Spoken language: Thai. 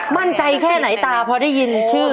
มั่นใจแค่ไหนตาพอได้ยินชื่อ